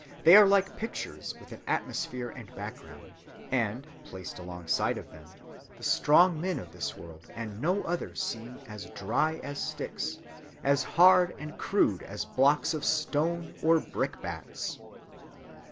They are like pictures with an atmosphere and background; and, placed alongside of them, the strong men of this world and no other seem as dry as sticks, as hard and crude as blocks of stone or brickbats.